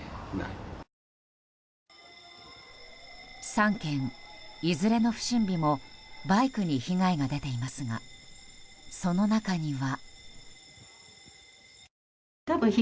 ３件いずれの不審火もバイクに被害が出ていますがその中には。